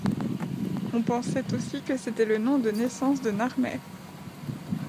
On pensait aussi que c'était le nom de naissance de Narmer.